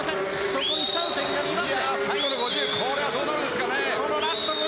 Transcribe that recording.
そこにシャウテンが２番手。